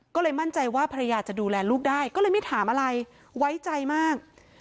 ก็เลยมั่นใจว่าภรรยาจะดูแลลูกได้ก็เลยไม่ถามอะไรไว้ใจมาก